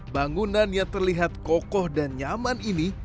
bangunan yang terlihat kokoh dan nyaman ini